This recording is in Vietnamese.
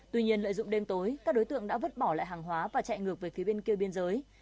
tuy nhiên lợi dụng đêm tối các đối tượng đã vứt bỏ lại hàng hóa và chạy ngược về phía bên kia biên giới